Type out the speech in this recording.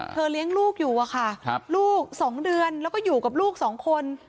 เลี้ยงลูกอยู่อะค่ะลูก๒เดือนแล้วก็อยู่กับลูกสองคน